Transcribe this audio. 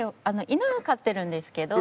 犬飼ってるんですけど。